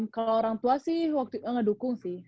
kalau orang tua sih waktu ngedukung sih